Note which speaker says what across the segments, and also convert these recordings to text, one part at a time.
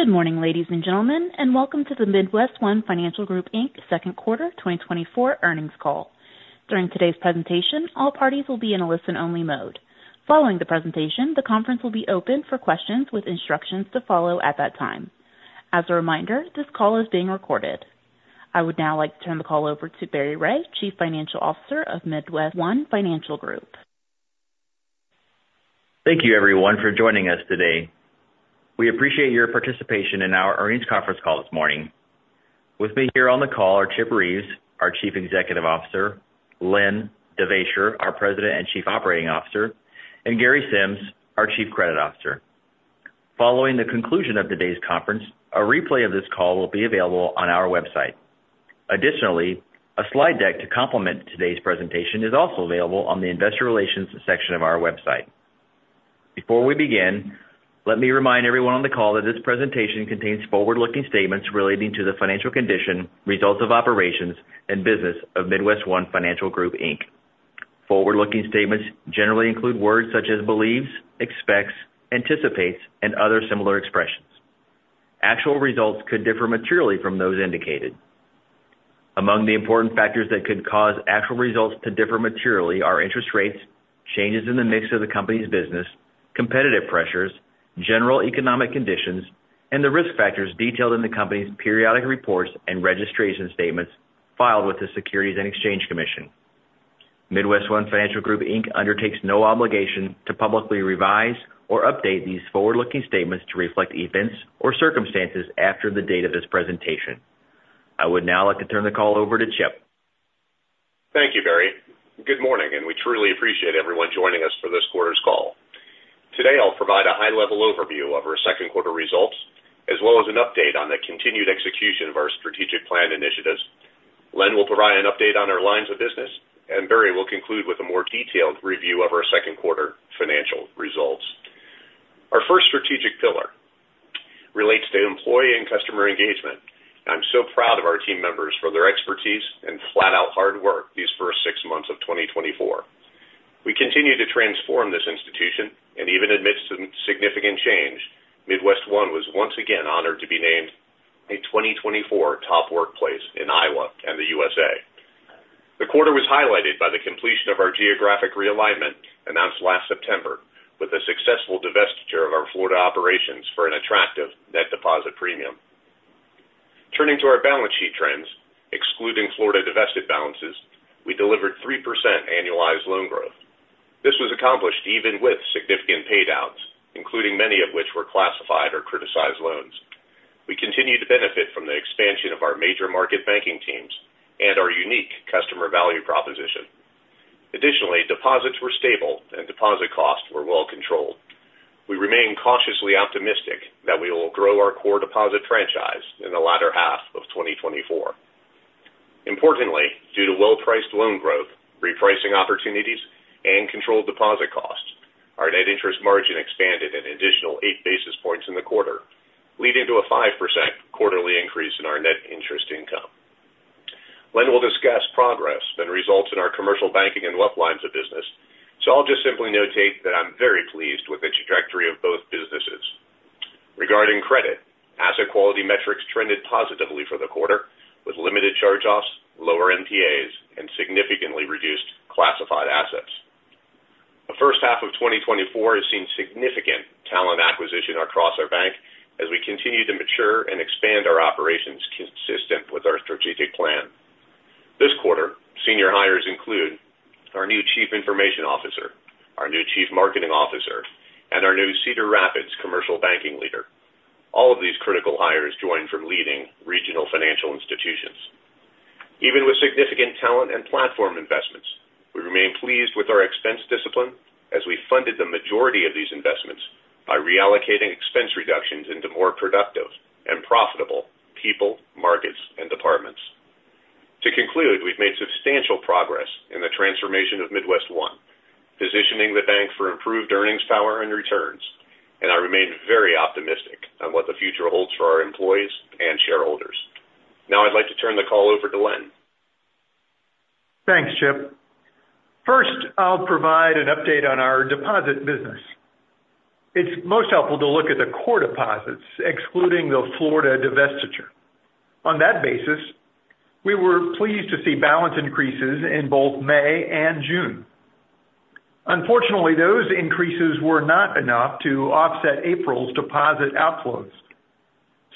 Speaker 1: Good morning, ladies and gentlemen, and welcome to the MidWestOne Financial Group, Inc. Second Quarter 2024 Earnings Call. During today's presentation, all parties will be in a listen-only mode. Following the presentation, the conference will be open for questions with instructions to follow at that time. As a reminder, this call is being recorded. I would now like to turn the call over to Barry Ray, Chief Financial Officer of MidWestOne Financial Group, Inc.
Speaker 2: Thank you, everyone, for joining us today. We appreciate your participation in our earnings conference call this morning. With me here on the call are Chip Reeves, our Chief Executive Officer, Len Devaisher, our President and Chief Operating Officer, and Gary Sims, our Chief Credit Officer. Following the conclusion of today's conference, a replay of this call will be available on our website. Additionally, a slide deck to complement today's presentation is also available on the investor relations section of our website. Before we begin, let me remind everyone on the call that this presentation contains forward-looking statements relating to the financial condition, results of operations, and business of MidWestOne Financial Group, Inc. Forward-looking statements generally include words such as believes, expects, anticipates, and other similar expressions. Actual results could differ materially from those indicated. Among the important factors that could cause actual results to differ materially are interest rates, changes in the mix of the company's business, competitive pressures, general economic conditions, and the risk factors detailed in the company's periodic reports and registration statements filed with the Securities and Exchange Commission. MidWestOne Financial Group, Inc. undertakes no obligation to publicly revise or update these forward-looking statements to reflect events or circumstances after the date of this presentation. I would now like to turn the call over to Chip.
Speaker 3: Thank you, Barry. Good morning, and we truly appreciate everyone joining us for this quarter's call. Today, I'll provide a high-level overview of our second quarter results, as well as an update on the continued execution of our strategic plan initiatives. Len will provide an update on our lines of business, and Barry will conclude with a more detailed review of our second quarter financial results. Our first strategic pillar relates to employee and customer engagement. I'm so proud of our team members for their expertise and flat-out hard work these first six months of 2024. We continue to transform this institution, and even amidst some significant change, MidWestOne was once again honored to be named a 2024 top workplace in Iowa and the USA. The quarter was highlighted by the completion of our geographic realignment, announced last September, with a successful divestiture of our Florida operations for an attractive net deposit premium. Turning to our balance sheet trends, excluding Florida divested balances, we delivered 3% annualized loan growth. This was accomplished even with significant paydowns, including many of which were classified or criticized loans. We continue to benefit from the expansion of our major market banking teams and our unique customer value proposition. Additionally, deposits were stable and deposit costs were well controlled. We remain cautiously optimistic that we will grow our core deposit franchise in the latter half of 2024. Importantly, due to well-priced loan growth, repricing opportunities, and controlled deposit costs, our net interest margin expanded an additional eight basis points in the quarter, leading to a 5% quarterly increase in our net interest income. Len will discuss progress and results in our commercial banking and wealth lines of business, so I'll just simply notate that I'm very pleased with the trajectory of both businesses. Regarding credit, asset quality metrics trended positively for the quarter, with limited charge-offs, lower NPAs, and significantly reduced classified assets. The first half of 2024 has seen significant talent acquisition across our bank as we continue to mature and expand our operations consistent with our strategic plan. This quarter, senior hires include our new Chief Information Officer, our new Chief Marketing Officer, and our new Cedar Rapids commercial banking leader. All of these critical hires joined from leading regional financial institutions. Even with significant talent and platform investments, we remain pleased with our expense discipline as we funded the majority of these investments by reallocating expense reductions into more productive and profitable people, markets, and departments. To conclude, we've made substantial progress in the transformation of MidWestOne, positioning the bank for improved earnings, power, and returns, and I remain very optimistic on what the future holds for our employees and shareholders. Now, I'd like to turn the call over to Len.
Speaker 4: Thanks, Chip. First, I'll provide an update on our deposit business. It's most helpful to look at the core deposits, excluding the Florida divestiture. On that basis, we were pleased to see balance increases in both May and June. Unfortunately, those increases were not enough to offset April's deposit outflows,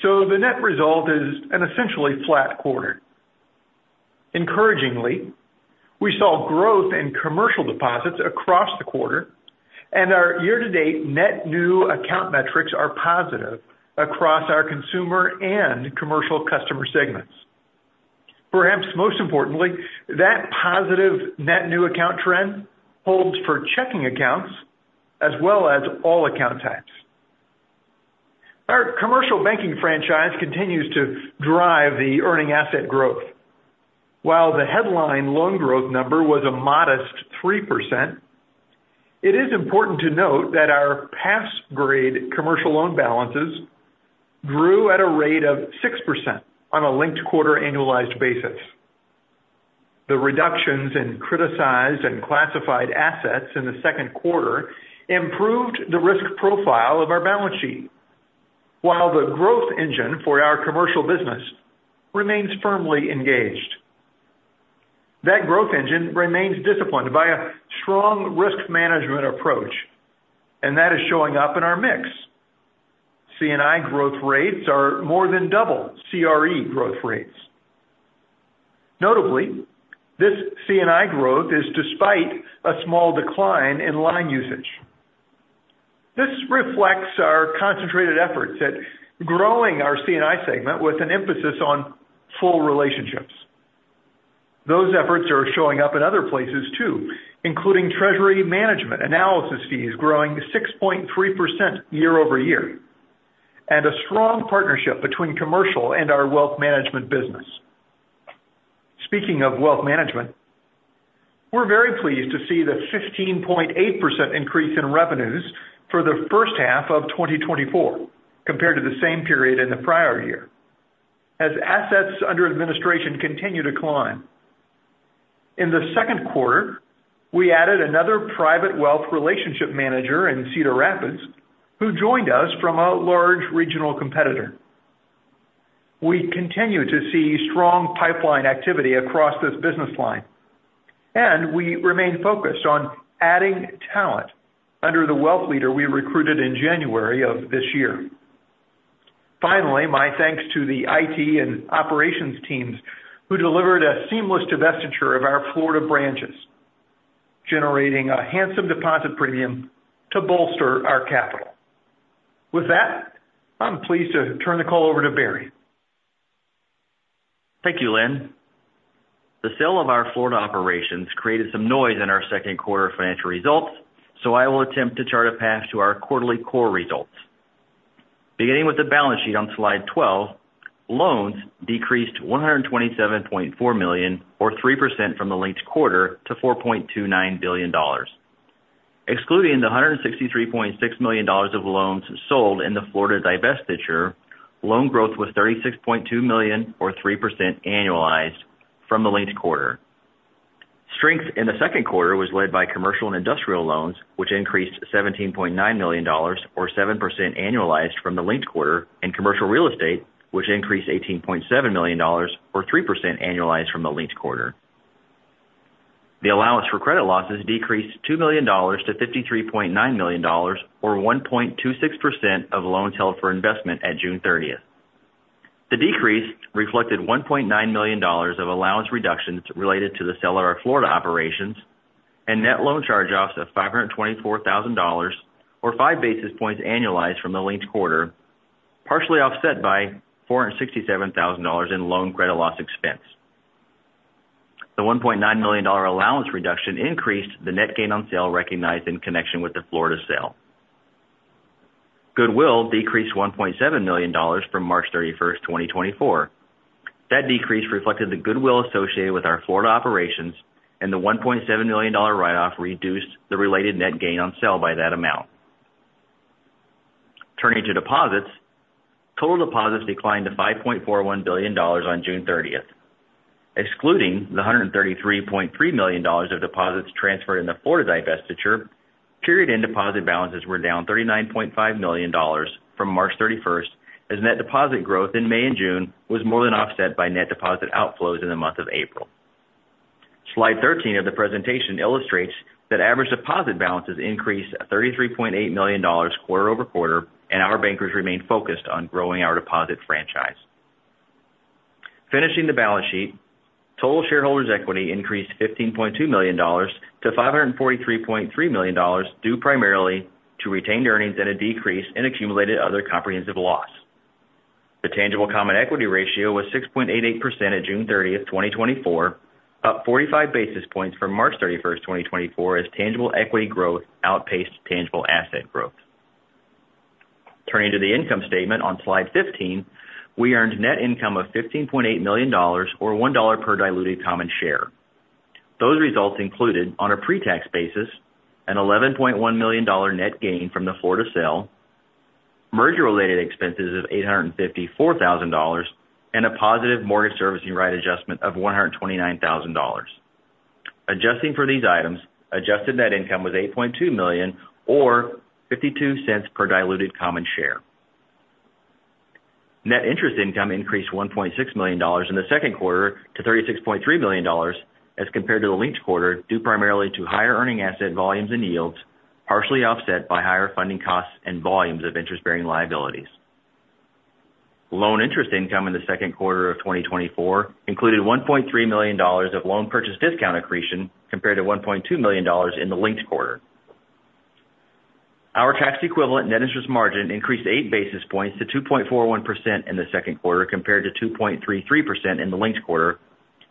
Speaker 4: so the net result is an essentially flat quarter. Encouragingly, we saw growth in commercial deposits across the quarter, and our year-to-date net new account metrics are positive across our consumer and commercial customer segments. Perhaps most importantly, that positive net new account trend holds for checking accounts as well as all account types. Our commercial banking franchise continues to drive the earning asset growth. While the headline loan growth number was a modest 3%, it is important to note that our pass-grade commercial loan balances grew at a rate of 6% on a linked quarter annualized basis. The reductions in criticized and classified assets in the second quarter improved the risk profile of our balance sheet, while the growth engine for our commercial business remains firmly engaged. That growth engine remains disciplined by a strong risk management approach, and that is showing up in our mix. C&I growth rates are more than double CRE growth rates. Notably, this C&I growth is despite a small decline in line usage. This reflects our concentrated efforts at growing our C&I segment with an emphasis on full relationships. Those efforts are showing up in other places too, including treasury management, analysis fees growing 6.3% year-over-year, and a strong partnership between commercial and our wealth management business. Speaking of wealth management, we're very pleased to see the 15.8% increase in revenues for the first half of 2024 compared to the same period in the prior year, as assets under administration continue to climb. In the second quarter, we added another private wealth relationship manager in Cedar Rapids, who joined us from a large regional competitor. We continue to see strong pipeline activity across this business line, and we remain focused on adding talent under the wealth leader we recruited in January of this year. Finally, my thanks to the IT and operations teams who delivered a seamless divestiture of our Florida branches, generating a handsome deposit premium to bolster our capital. With that, I'm pleased to turn the call over to Barry.
Speaker 2: Thank you, Len. The sale of our Florida operations created some noise in our second quarter financial results, so I will attempt to chart a path to our quarterly core results. Beginning with the balance sheet on slide 12, loans decreased $127.4 million, or 3% from the linked quarter to $4.29 billion. Excluding the $163.6 million of loans sold in the Florida divestiture, loan growth was $36.2 million, or 3% annualized from the linked quarter. Strength in the second quarter was led by commercial and industrial loans, which increased $17.9 million, or 7% annualized from the linked quarter, and commercial real estate, which increased $18.7 million, or 3% annualized from the linked quarter. The allowance for credit losses decreased $2 million to $53.9 million, or 1.26% of loans held for investment at June 30. The decrease reflected $1.9 million of allowance reductions related to the sale of our Florida operations and net loan charge-offs of $524,000 or five basis points annualized from the linked quarter, partially offset by $467,000 in loan credit loss expense. The $1.9 million allowance reduction increased the net gain on sale recognized in connection with the Florida sale. Goodwill decreased $1.7 million from March 31, 2024. That decrease reflected the goodwill associated with our Florida operations, and the $1.7 million write-off reduced the related net gain on sale by that amount. Turning to deposits. Total deposits declined to $5.41 billion on June 30. Excluding the $133.3 million of deposits transferred in the Florida divestiture, period-end deposit balances were down $39.5 million from March 31, as net deposit growth in May and June was more than offset by net deposit outflows in the month of April. Slide 13 of the presentation illustrates that average deposit balances increased $33.8 million quarter-over-quarter, and our bankers remain focused on growing our deposit franchise. Finishing the balance sheet, total shareholders' equity increased $15.2 million to $543.3 million, due primarily to retained earnings and a decrease in accumulated other comprehensive loss. The tangible common equity ratio was 6.88% at June 30th, 2024, up 45 basis points from March 31st, 2024, as tangible equity growth outpaced tangible asset growth. Turning to the income statement on slide 15, we earned net income of $15.8 million, or $1 per diluted common share. Those results included, on a pre-tax basis, an $11.1 million net gain from the Florida sale, merger-related expenses of $854,000, and a positive mortgage servicing right adjustment of $129,000. Adjusting for these items, adjusted net income was $8.2 million or $0.52 per diluted common share. Net interest income increased $1.6 million in the second quarter to $36.3 million as compared to the linked quarter, due primarily to higher earning asset volumes and yields, partially offset by higher funding costs and volumes of interest-bearing liabilities. Loan interest income in the second quarter of 2024 included $1.3 million of loan purchase discount accretion, compared to $1.2 million in the linked quarter. Our tax equivalent net interest margin increased 8 basis points to 2.41% in the second quarter, compared to 2.33% in the linked quarter,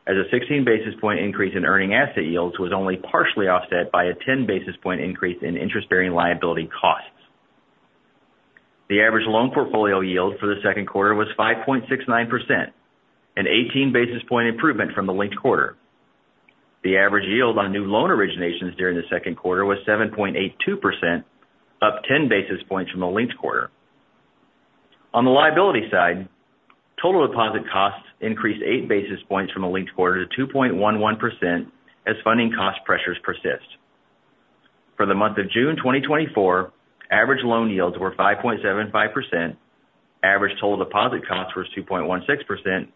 Speaker 2: as a 16 basis point increase in earning asset yields was only partially offset by a 10 basis point increase in interest-bearing liability costs. The average loan portfolio yield for the second quarter was 5.69%, an 18 basis point improvement from the linked quarter. The average yield on new loan originations during the second quarter was 7.82%, up 10 basis points from the linked quarter. On the liability side, total deposit costs increased 8 basis points from the linked quarter to 2.11% as funding cost pressures persist. For the month of June 2024, average loan yields were 5.75%, average total deposit costs was 2.16%,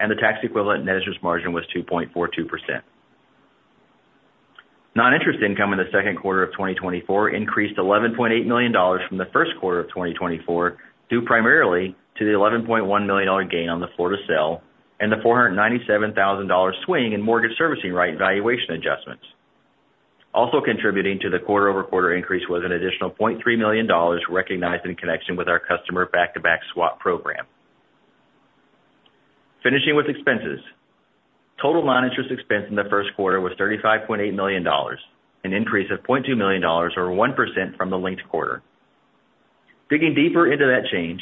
Speaker 2: and the tax equivalent net interest margin was 2.42%. Noninterest income in the second quarter of 2024 increased $11.8 million from the first quarter of 2024, due primarily to the $11.1 million gain on the Florida sale and the $497,000 swing in mortgage servicing right valuation adjustments. Also contributing to the quarter-over-quarter increase was an additional $0.3 million recognized in connection with our customer back-to-back swap program. Finishing with expenses. Total noninterest expense in the first quarter was $35.8 million, an increase of $0.2 million or 1% from the linked quarter. Digging deeper into that change,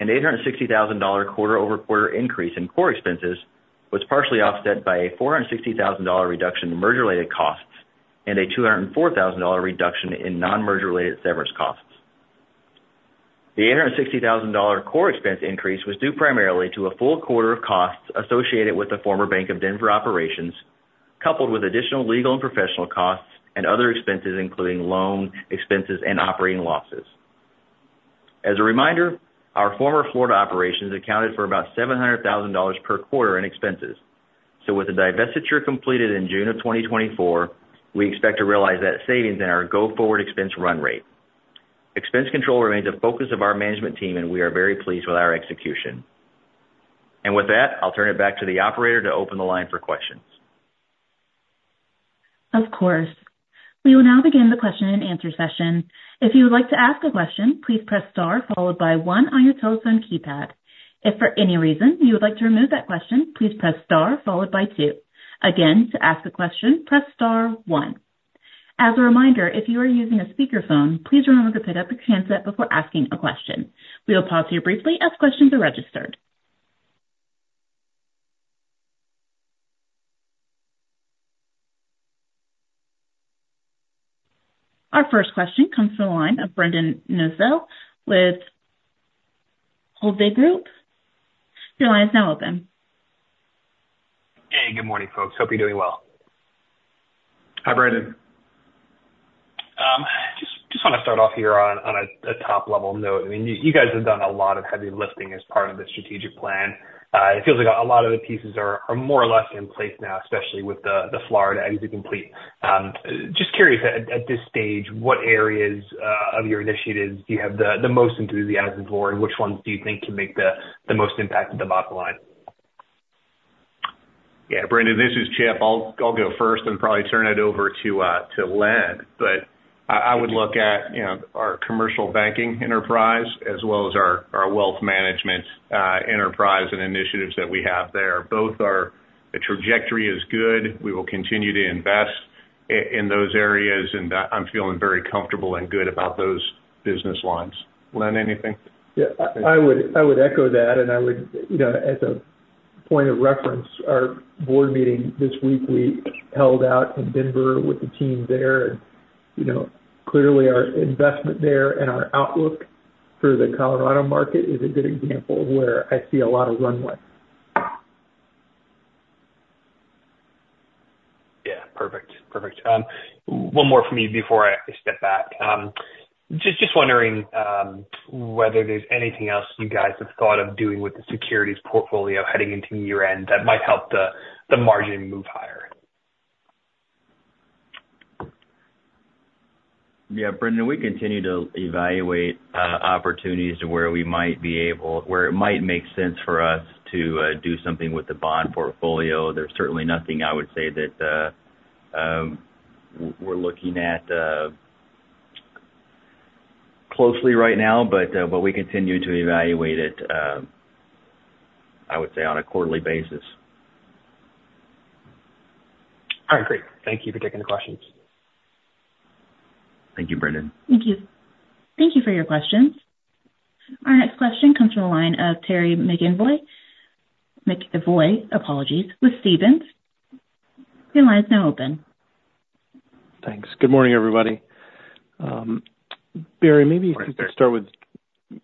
Speaker 2: an $860,000 quarter-over-quarter increase in core expenses was partially offset by a $460,000 reduction in merger-related costs and a $204,000 reduction in non-merger-related severance costs. The $860,000 core expense increase was due primarily to a full quarter of costs associated with the former Bank of Denver operations, coupled with additional legal and professional costs and other expenses, including loan expenses and operating losses. As a reminder, our former Florida operations accounted for about $700,000 per quarter in expenses. So with the divestiture completed in June of 2024, we expect to realize that savings in our go-forward expense run rate. Expense control remains a focus of our management team, and we are very pleased with our execution. With that, I'll turn it back to the operator to open the line for questions.
Speaker 1: Of course. We will now begin the question-and-answer session. If you would like to ask a question, please press star, followed by one on your telephone keypad. If for any reason you would like to remove that question, please press star followed by two. Again, to ask a question, press star one. As a reminder, if you are using a speakerphone, please remember to pick up the handset before asking a question. We will pause here briefly as questions are registered. Our first question comes from the line of Brendan Nosal with Hovde Group. Your line is now open.
Speaker 5: Hey, good morning, folks. Hope you're doing well.
Speaker 3: Hi, Brendan.
Speaker 5: Just want to start off here on a top-level note. I mean, you guys have done a lot of heavy lifting as part of the strategic plan. It feels like a lot of the pieces are more or less in place now, especially with the Florida exit complete. Just curious, at this stage, what areas of your initiatives do you have the most enthusiasm for, and which ones do you think can make the most impact at the bottom line?
Speaker 3: Yeah, Brendan, this is Chip. I'll go first and probably turn it over to to Len. But I would look at, you know, our commercial banking enterprise as well as our our wealth management enterprise and initiatives that we have there. Both are the trajectory is good. We will continue to invest in those areas, and I'm feeling very comfortable and good about those business lines. Len, anything?
Speaker 4: Yeah, I, I would, I would echo that, and I would, you know, as a point of reference, our board meeting this week we held out in Denver with the team there. And, you know, clearly, our investment there and our outlook for the Colorado market is a good example of where I see a lot of runway.
Speaker 5: Yeah, perfect. Perfect. One more from me before I step back. Just wondering whether there's anything else you guys have thought of doing with the securities portfolio heading into year-end that might help the margin move higher?
Speaker 2: Yeah, Brendan, we continue to evaluate opportunities to where it might make sense for us to do something with the bond portfolio. There's certainly nothing I would say that we're looking at closely right now, but we continue to evaluate it, I would say, on a quarterly basis.
Speaker 5: All right, great. Thank you for taking the questions.
Speaker 2: Thank you, Brendan.
Speaker 1: Thank you. Thank you for your questions. Our next question comes from the line of Terry McEvoy, McEvoy, apologies, with Stephens. Your line is now open.
Speaker 6: Thanks. Good morning, everybody. Barry, maybe you could start with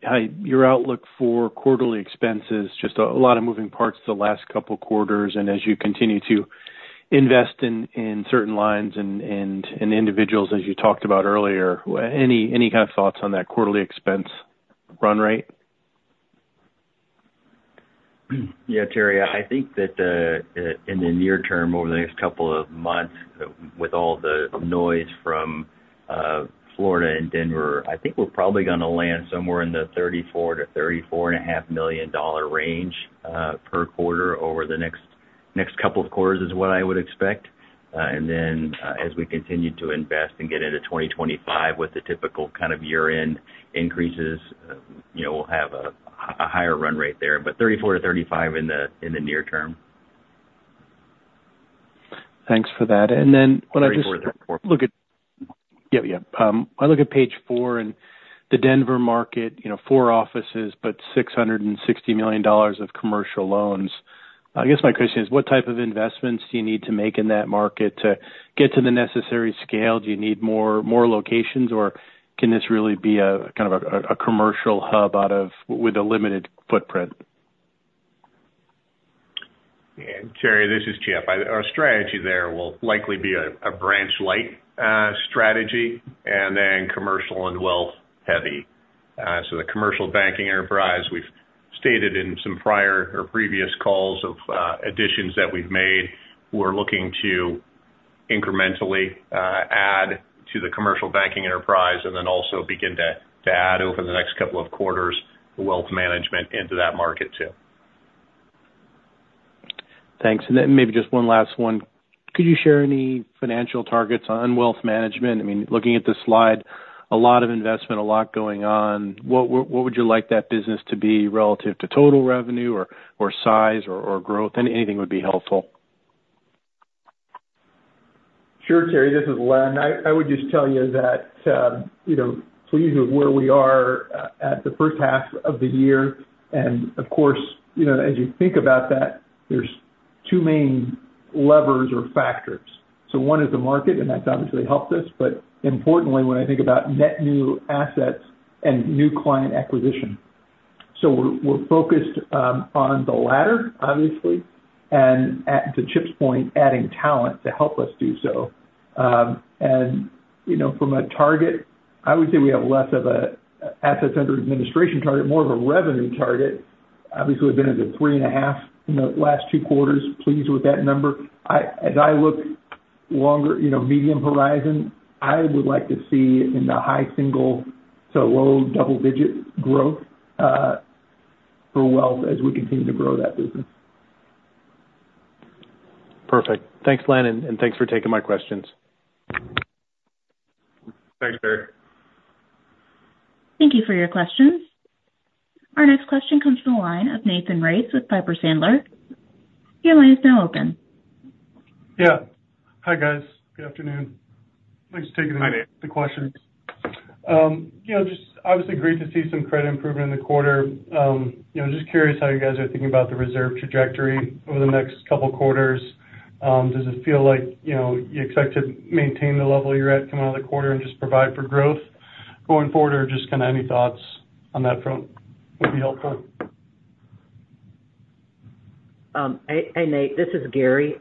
Speaker 6: how your outlook for quarterly expenses, just a lot of moving parts the last couple quarters, and as you continue to invest in certain lines and individuals, as you talked about earlier, any kind of thoughts on that quarterly expense run rate?
Speaker 2: Yeah, Terry, I think that in the near term, over the next couple of months, with all the noise from Florida and Denver, I think we're probably gonna land somewhere in the $34 million-$34.5 million range per quarter over the next couple of quarters, is what I would expect. And then, as we continue to invest and get into 2025 with the typical kind of year-end increases, you know, we'll have a higher run rate there, but $34 million-$35 million in the near term.
Speaker 6: Thanks for that. And then when I just look at.
Speaker 2: Thirty-four.
Speaker 6: Yeah, yeah. I look at page four and the Denver market, you know, four offices, but $660 million of commercial loans. I guess my question is, what type of investments do you need to make in that market to get to the necessary scale? Do you need more locations, or can this really be a kind of a commercial hub with a limited footprint?
Speaker 3: Terry, this is Chip. Our strategy there will likely be a branch-like strategy and then commercial and wealth heavy. So the commercial banking enterprise, we've stated in some prior or previous calls of additions that we've made, we're looking to incrementally add to the commercial banking enterprise and then also begin to add over the next couple of quarters, wealth management into that market too.
Speaker 6: Thanks. Then maybe just one last one. Could you share any financial targets on wealth management? I mean, looking at the slide, a lot of investment, a lot going on. What would you like that business to be relative to total revenue or size or growth? Anything would be helpful.
Speaker 4: Sure, Terry, this is Len. I would just tell you that, you know, pleased with where we are at the first half of the year. And of course, you know, as you think about that, there's two main levers or factors. So one is the market, and that's obviously helped us. But importantly, when I think about net new assets and new client acquisition. So we're focused on the latter, obviously, and to Chip's point, adding talent to help us do so. And, you know, from a target, I would say we have less of a assets under administration target, more of a revenue target. Obviously, we've been at the 3.5 in the last two quarters, pleased with that number. As I look longer, you know, medium horizon, I would like to see in the high single-digit to low double-digit growth for wealth as we continue to grow that business.
Speaker 6: Perfect. Thanks, Len, and thanks for taking my questions.
Speaker 3: Thanks, Terry.
Speaker 1: Thank you for your questions. Our next question comes from the line of Nathan Race with Piper Sandler. Your line is now open.
Speaker 7: Yeah. Hi, guys. Good afternoon. Thanks for taking.
Speaker 3: Hi, Nate.
Speaker 7: The questions. You know, just obviously great to see some credit improvement in the quarter. You know, just curious how you guys are thinking about the reserve trajectory over the next couple of quarters. Does it feel like, you know, you expect to maintain the level you're at coming out of the quarter and just provide for growth going forward? Or just kind of any thoughts on that front would be helpful.
Speaker 8: Hey, Nate, this is Gary.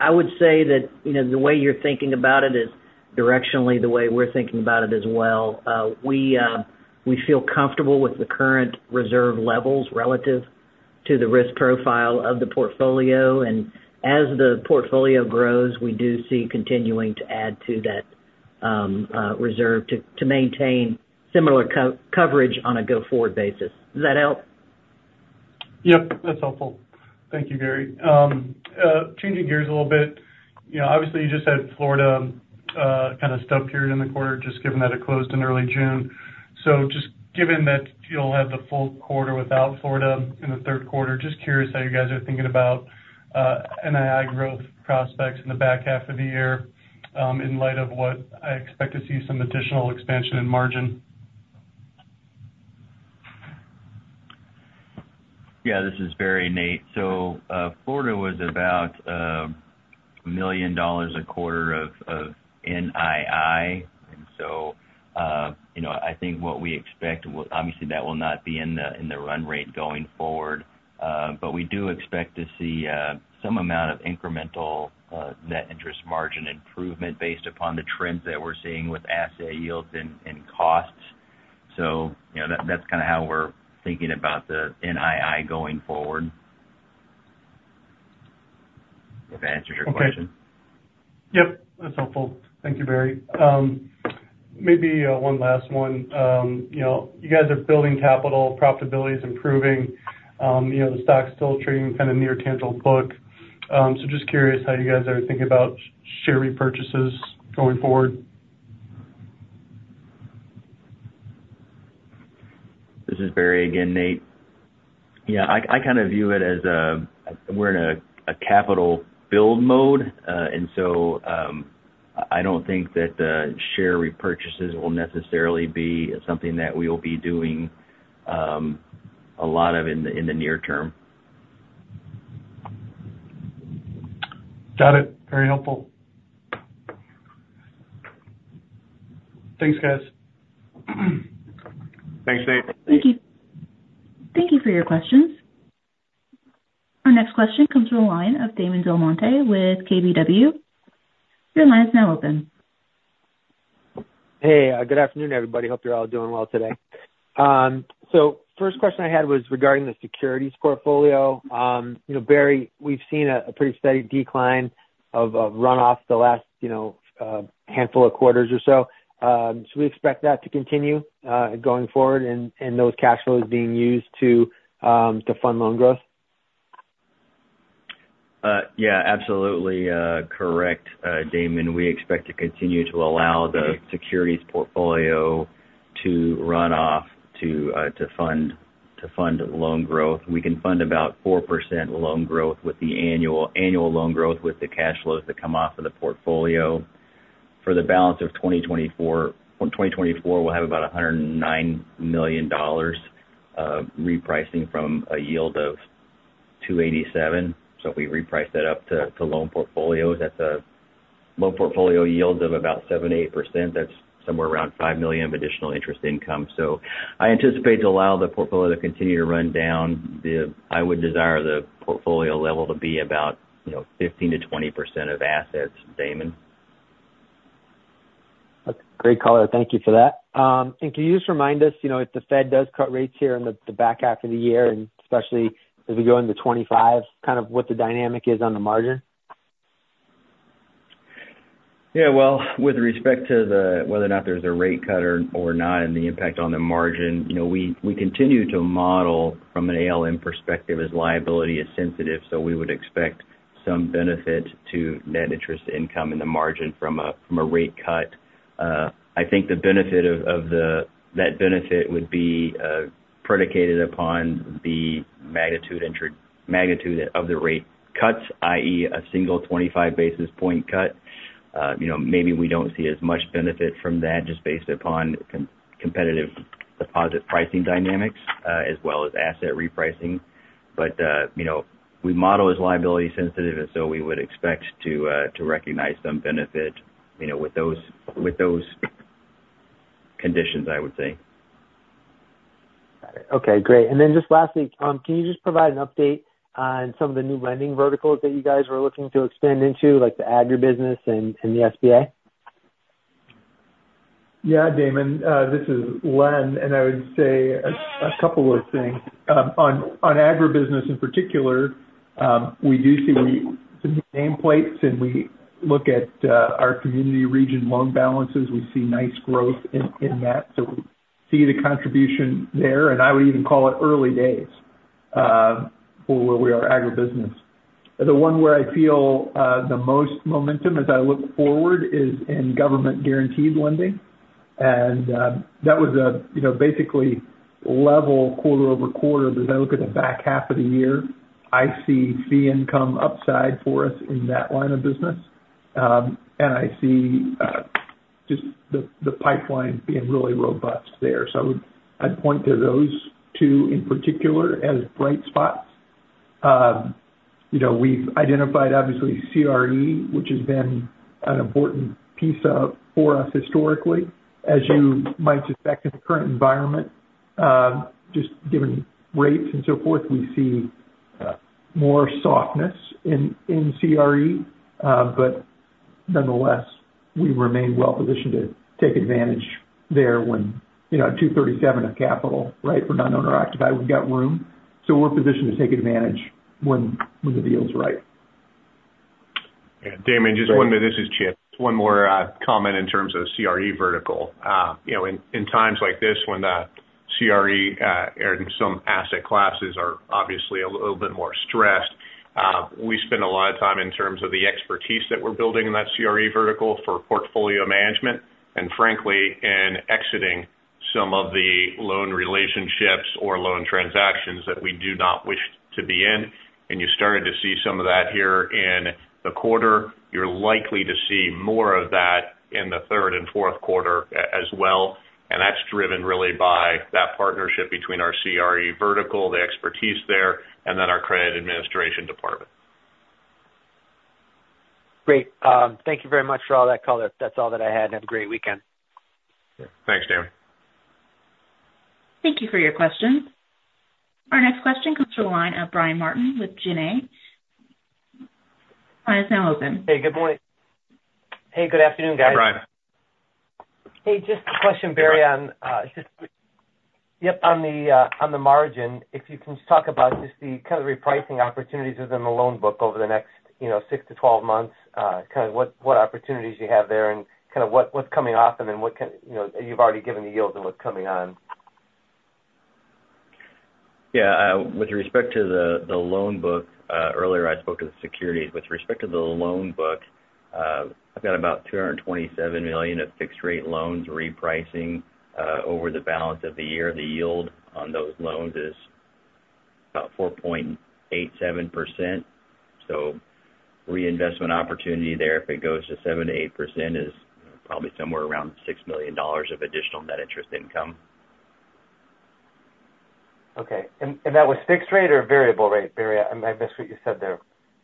Speaker 8: I would say that, you know, the way you're thinking about it is directionally the way we're thinking about it as well. We feel comfortable with the current reserve levels relative to the risk profile of the portfolio, and as the portfolio grows, we do see continuing to add to that reserve to maintain similar coverage on a go-forward basis. Does that help?
Speaker 7: Yep, that's helpful. Thank you, Gary. Changing gears a little bit. You know, obviously, you just had Florida kind of stub period in the quarter, just given that it closed in early June. So just given that you'll have the full quarter without Florida in the third quarter, just curious how you guys are thinking about NII growth prospects in the back half of the year, in light of what I expect to see some additional expansion in margin?
Speaker 2: Yeah, this is Barry, Nate. So, Florida was about $1 million a quarter of NII. And so, you know, I think what we expect will obviously, that will not be in the run rate going forward. But we do expect to see some amount of incremental net interest margin improvement based upon the trends that we're seeing with asset yields and costs. So, you know, that's kind of how we're thinking about the NII going forward. Hope that answers your question.
Speaker 7: Okay. Yep, that's helpful. Thank you, Barry. Maybe, one last one. You know, you guys are building capital, profitability is improving, you know, the stock's still trading kind of near tangible book. So just curious how you guys are thinking about share repurchases going forward.
Speaker 2: This is Barry again, Nate. Yeah, I kind of view it as, we're in a capital build mode. And so, I don't think that the share repurchases will necessarily be something that we will be doing a lot of in the near term.
Speaker 7: Got it. Very helpful. Thanks, guys.
Speaker 3: Thanks, Nate.
Speaker 1: Thank you. Thank you for your questions. Our next question comes from the line of Damon DelMonte with KBW. Your line is now open.
Speaker 9: Hey, good afternoon, everybody. Hope you're all doing well today. First question I had was regarding the securities portfolio. You know, Barry, we've seen a pretty steady decline of runoff the last, you know, handful of quarters or so. We expect that to continue going forward and those cash flows being used to fund loan growth?
Speaker 2: Yeah, absolutely, correct, Damon. We expect to continue to allow the securities portfolio to run off to fund loan growth. We can fund about 4% loan growth with the annual loan growth with the cash flows that come off of the portfolio. For the balance of 2024, on 2024, we'll have about $109 million of repricing from a yield of 2.87%. So if we reprice that up to loan portfolios, that's a loan portfolio yield of about 7.8%. That's somewhere around $5 million of additional interest income. So I anticipate to allow the portfolio to continue to run down. I would desire the portfolio level to be about, you know, 15%-20% of assets, Damon.
Speaker 9: That's a great color. Thank you for that. Can you just remind us, you know, if the Fed does cut rates here in the back half of the year, and especially as we go into 2025, kind of what the dynamic is on the margin?
Speaker 2: Yeah, well, with respect to whether or not there's a rate cut or not and the impact on the margin, you know, we continue to model from an ALM perspective as liability sensitive, so we would expect some benefit to net interest income in the margin from a rate cut. I think that benefit would be predicated upon the magnitude of the rate cuts, i.e., a single 25 basis point cut. You know, maybe we don't see as much benefit from that, just based upon competitive deposit pricing dynamics, as well as asset repricing. But, you know, we model as liability sensitive, and so we would expect to recognize some benefit, you know, with those conditions, I would say.
Speaker 9: Got it. Okay, great. And then just lastly, can you just provide an update on some of the new lending verticals that you guys were looking to expand into, like the agribusiness and the SBA?
Speaker 4: Yeah, Damon, this is Len, and I would say a couple of things. On agribusiness in particular, we do see some new nameplates, and we look at our community region loan balances. We see nice growth in that. So we see the contribution there, and I would even call it early days for where we are, agribusiness. The one where I feel the most momentum as I look forward is in government-guaranteed lending. And that was, you know, basically level quarter-over-quarter. But as I look at the back half of the year, I see fee income upside for us in that line of business. And I see just the pipeline being really robust there. So I'd point to those two in particular as bright spots. You know, we've identified, obviously, CRE, which has been an important piece of for us historically. As you might expect in the current environment, just given rates and so forth, we see more softness in, in CRE. But nonetheless, we remain well positioned to take advantage there when, you know, 237 of capital, right? We're not underactive, we've got room, so we're positioned to take advantage when, when the deal's right.
Speaker 3: Yeah, Damon, just one more. This is Chip. One more comment in terms of CRE vertical. You know, in times like this, when the CRE and some asset classes are obviously a little bit more stressed, we spend a lot of time in terms of the expertise that we're building in that CRE vertical for portfolio management, and frankly, in exiting some of the loan relationships or loan transactions that we do not wish to be in. And you're starting to see some of that here in the quarter. You're likely to see more of that in the third and fourth quarter as well, and that's driven really by that partnership between our CRE vertical, the expertise there, and then our credit administration department.
Speaker 9: Great. Thank you very much for all that, color. That's all that I had, and have a great weekend.
Speaker 3: Thanks, Damon.
Speaker 1: Thank you for your question. Our next question comes from the line of Brian Martin with Janney. Line is now open.
Speaker 10: Hey, good morning. Hey, good afternoon, guys.
Speaker 3: Hi, Brian.
Speaker 10: Hey, just a question, Barry, on the margin, if you can just talk about just the kind of repricing opportunities within the loan book over the next, you know, six to 12 months, kind of what opportunities you have there and kind of what's coming off them and what can, you know, you've already given the yield and what's coming on.
Speaker 2: Yeah, with respect to the loan book, earlier, I spoke to the securities. With respect to the loan book, I've got about $227 million of fixed-rate loans repricing over the balance of the year. The yield on those loans is about 4.87%. So reinvestment opportunity there, if it goes to 7%-8%, is probably somewhere around $6 million of additional net interest income.
Speaker 10: Okay. That was fixed rate or variable rate, Barry? I missed what you said there.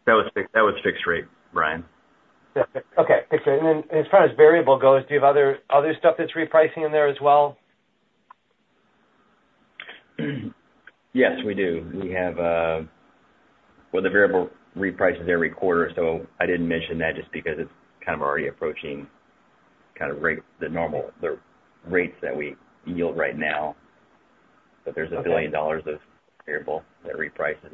Speaker 2: That was fixed rate, Brian.
Speaker 10: Yeah. Okay, fixed rate. And then as far as variable goes, do you have other stuff that's repricing in there as well?
Speaker 2: Yes, we do. We have. Well, the variable reprices every quarter, so I didn't mention that just because it's kind of already approaching kind of rate, the normal, the rates that we yield right now.
Speaker 10: Okay.
Speaker 2: There's $1 billion of variable that reprices.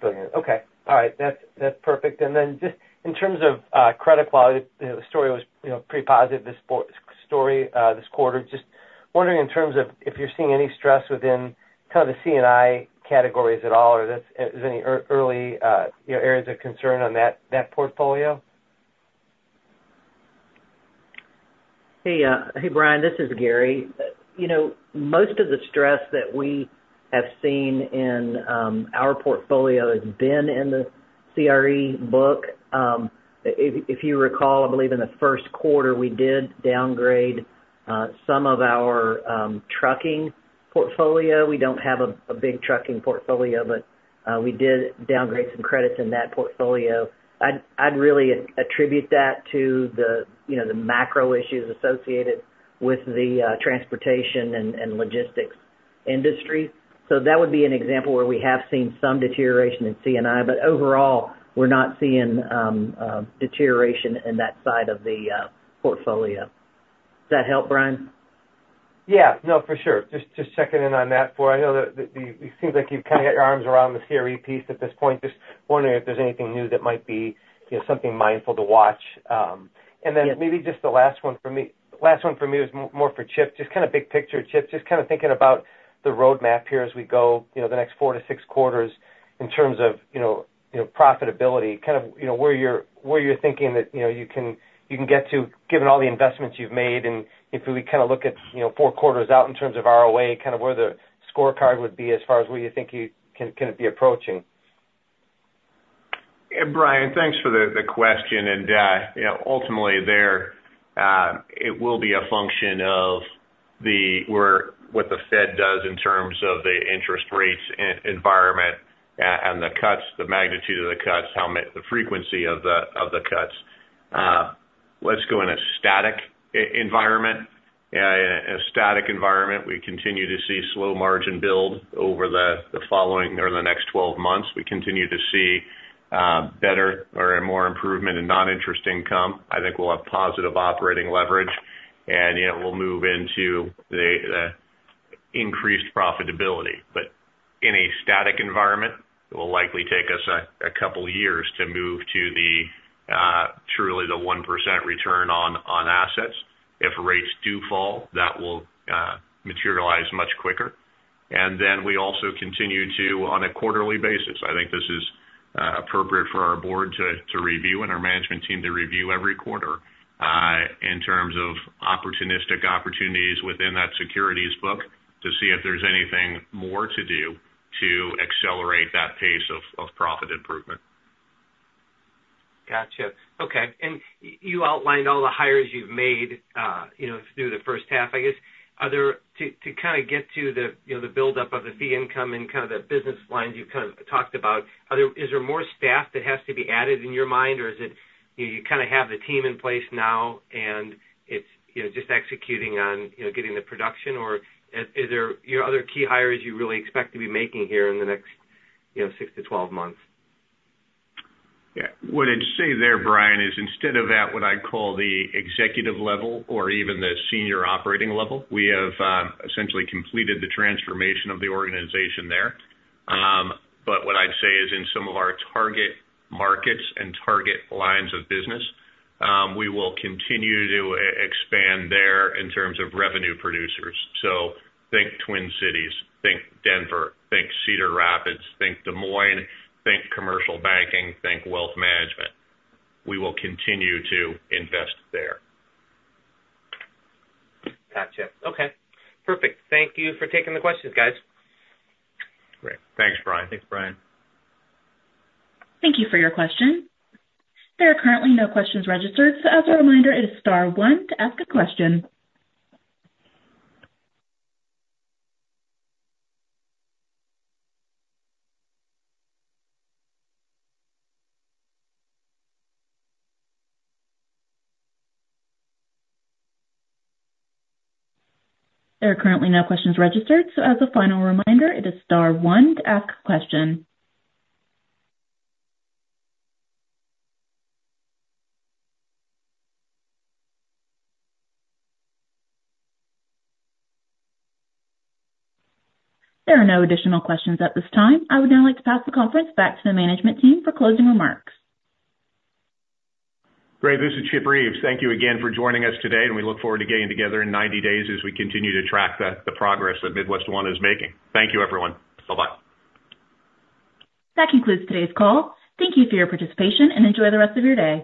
Speaker 10: Brilliant. Okay. All right, that's, that's perfect. And then just in terms of credit quality, you know, the story was, you know, pretty positive, this positive story, this quarter. Just wondering, in terms of if you're seeing any stress within kind of the C&I categories at all, or if there's any early, you know, areas of concern on that, that portfolio?
Speaker 8: Hey, hey, Brian, this is Gary. You know, most of the stress that we have seen in our portfolio has been in the CRE book. If you recall, I believe in the first quarter, we did downgrade some of our trucking portfolio. We don't have a big trucking portfolio, but we did downgrade some credits in that portfolio. I'd really attribute that to the, you know, the macro issues associated with the transportation and logistics industry. So that would be an example where we have seen some deterioration in C&I, but overall, we're not seeing deterioration in that side of the portfolio. Does that help, Brian?
Speaker 10: Yeah. No, for sure. Just, just checking in on that, for I know that the, it seems like you've kind of got your arms around the CRE piece at this point. Just wondering if there's anything new that might be, you know, something mindful to watch. And then.
Speaker 8: Yeah.
Speaker 10: Maybe just the last one for me, last one for me is more, more for Chip. Just kind of big picture, Chip, just kind of thinking about the roadmap here as we go, you know, the next four to six quarters in terms of, you know, your profitability. Kind of, you know, where you're, where you're thinking that, you know, you can, you can get to, given all the investments you've made, and if we kind of look at, you know, four quarters out in terms of ROA, kind of where the scorecard would be as far as where you think you can, can it be approaching?
Speaker 3: Yeah, Brian, thanks for the question, and, you know, ultimately, it will be a function of what the Fed does in terms of the interest rates environment, and the cuts, the magnitude of the cuts, the frequency of the cuts. Let's go in a static environment. In a static environment, we continue to see slow margin build over the following or the next 12 months. We continue to see better or more improvement in non-interest income. I think we'll have positive operating leverage, and, you know, we'll move into the increased profitability. But in a static environment, it will likely take us a couple years to move to the truly the 1% return on assets. If rates do fall, that will materialize much quicker. And then we also continue to, on a quarterly basis, I think this is appropriate for our board to, to review and our management team to review every quarter, in terms of opportunistic opportunities within that securities book, to see if there's anything more to do to accelerate that pace of, of profit improvement.
Speaker 10: Gotcha. Okay, and you outlined all the hires you've made, you know, through the first half. I guess, are there to kind of get to the, you know, the buildup of the fee income and kind of the business lines you've kind of talked about, is there more staff that has to be added in your mind, or is it you kind of have the team in place now, and it's, you know, just executing on, you know, getting the production? Or is there, you know, other key hires you really expect to be making here in the next, you know, six to 12 months?
Speaker 3: Yeah. What I'd say there, Brian, is instead of at what I'd call the executive level or even the senior operating level, we have essentially completed the transformation of the organization there. But what I'd say is in some of our target markets and target lines of business, we will continue to expand there in terms of revenue producers. So think Twin Cities, think Denver, think Cedar Rapids, think Des Moines, think commercial banking, think wealth management. We will continue to invest there.
Speaker 10: Gotcha. Okay, perfect. Thank you for taking the questions, guys.
Speaker 3: Great. Thanks, Brian.
Speaker 8: Thanks, Brian.
Speaker 1: Thank you for your question. There are currently no questions registered. So as a reminder, it is star one to ask a question. There are currently no questions registered, so as a final reminder, it is star one to ask a question. There are no additional questions at this time. I would now like to pass the conference back to the management team for closing remarks.
Speaker 3: Great. This is Chip Reeves. Thank you again for joining us today, and we look forward to getting together in 90 days as we continue to track the progress that MidWestOne is making. Thank you, everyone. Bye-bye.
Speaker 1: That concludes today's call. Thank you for your participation, and enjoy the rest of your day.